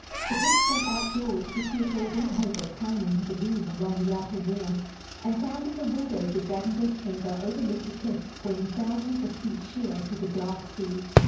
The Prince went outdoors, to see if there was any hope of climbing to the room along the outer wall, and found that the windows of Dragondel's chamber overlooked a cliff falling thousands of feet sheer to the dark sea.